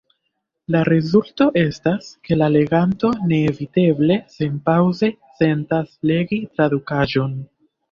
La rezulto estas, ke la leganto neeviteble senpaŭze sentas legi tradukaĵon.